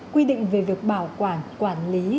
quy định về việc bảo quản quản lý